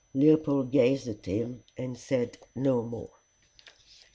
Leopold gazed at him and said no more.